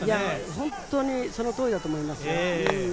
本当にその通りだと思いますね。